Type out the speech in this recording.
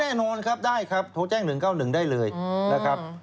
แน่นอนครับได้ครับโทรแจ้ง๑๙๑ได้เลยนะครับ